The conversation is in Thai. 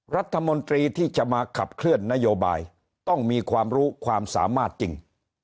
รัฐมนตรีที่จะมาขับเคลื่อนนโยบายต้องมีความรู้ความสามารถจริง